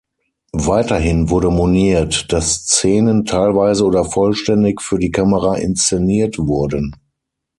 Weiterhin wurde moniert, dass Szenen teilweise oder vollständig für die Kamera inszeniert wurden.